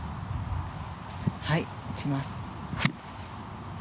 はい、打ちます。